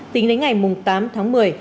tính đến ngày tám tháng một mươi